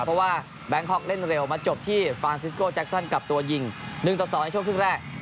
เพราะว่าแบงคอกเล่นเร็วมาจบที่ฟานซิสโก้แจ็คซันกับตัวยิง๑ต่อ๒ในช่วงครึ่งแรก